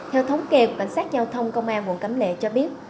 theo thống kê cảnh sát giao thông công an quận cấm lệ cho biết